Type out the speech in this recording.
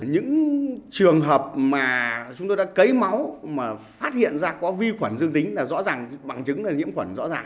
những trường hợp mà chúng tôi đã cấy máu mà phát hiện ra có vi khuẩn dương tính là rõ ràng bằng chứng là nhiễm khuẩn rõ ràng